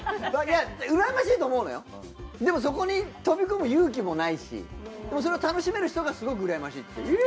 うらやましいと思うのよでもそこに飛び込む勇気もないしでもそれを楽しめる人がすごくうらやましい。